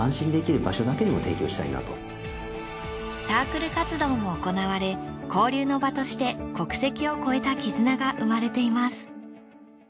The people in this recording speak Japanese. サークル活動も行われ交流の場として国籍を超えた絆が生まれています。